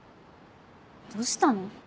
どうしたの？